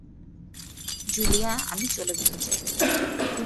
Julia আমি চলে যেতে চাই।